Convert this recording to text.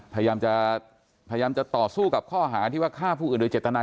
พยายามจะพยายามจะต่อสู้กับข้อหาที่ว่าฆ่าผู้อื่นโดยเจตนา